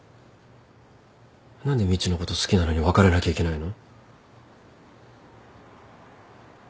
何でみちのこと好きなのに別れなきゃいけないの？